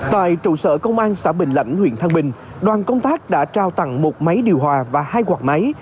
tại trụ sở công an xã bình lãnh huyện thăng bình đoàn công tác đã trao tặng một máy điều hòa và hai quạt máy